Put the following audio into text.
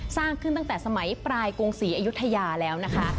สร้างขึ้นตั้งแต่สมัยปลายกรุงศรีอยุธยาแล้วนะคะ